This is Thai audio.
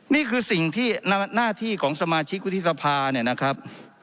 นี่คือสิ่งที่หน้าที่ของสมาชิกวุฒิสภาเนี่ยนะครับ